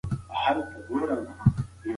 تاوان د ډېرو خلکو زړونه توري کوي.